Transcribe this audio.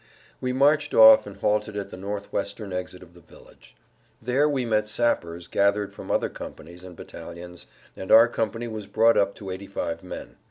We marched off and halted at the northwestern exit of the village. There we met sappers gathered from other companies and battalions, and our company was brought up to 85 men.